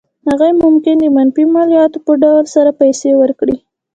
هغوی ممکن د منفي مالیاتو په ډول سره پیسې ورکړي.